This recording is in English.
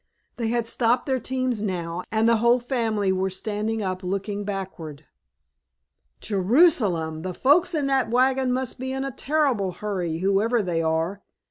They had stopped their teams now, and the whole family were standing up looking backward. "Jerusalem! the folks in that wagon must be in a terrible hurry, whoever they are!"